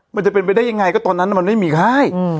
มันจะเป็นไปได้ยังไงก็ตอนนั้นมันไม่มีค่าย